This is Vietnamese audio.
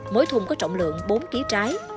mỗi thùng có trọng lượng bốn kg trái